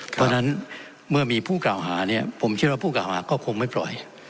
เพราะฉะนั้นเมื่อมีผู้กล่าวหาเนี่ยผมคิดว่าผู้กล่าวหาก็คงไม่ปล่อย